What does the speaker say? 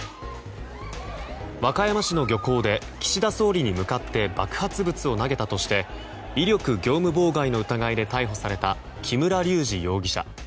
和歌山市の漁港で岸田総理に向かって爆発物を投げたとして威力業務妨害の疑いで逮捕された木村隆二容疑者。